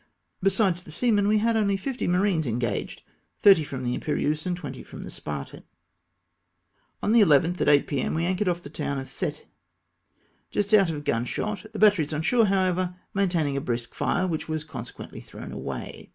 Besides the seamen, we had only fifty marines engaged, thirty fi'om the Imperieuse, and twenty fi om the Spartai2. On the 11th at 8 p.m. we anchored off the town of Cette, just out of gunshot, the batteries on shore how ever maintaining a brisk fire, which was consequently thrown away.